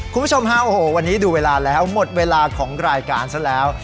คุณผู้ชมฮะโอ้โหวันนี้ดูเวลาแล้วหมดเวลาของรายการซะแล้ว